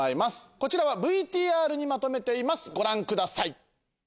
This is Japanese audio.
こちらはＶＴＲにまとめてますご覧ください。